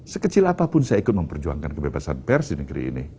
sekecil apapun saya ikut memperjuangkan kebebasan pers di negeri ini